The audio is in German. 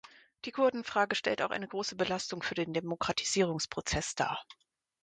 Die Kurdenfrage stellt auch eine große Belastung für den Demokratisierungsprozess dar.